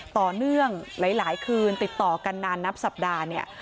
ต่อเนื่องหลายคืนติดต่อกันนานนับสัปดาห์เนี่ย